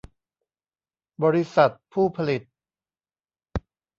บริษัทผู้ผลิต